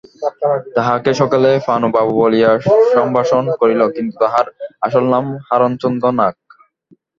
তাঁহাকে সকলেই পানুবাবু বলিয়া সম্ভাষণ করিল, কিন্তু তাঁহার আসল নাম হারানচন্দ্র নাগ।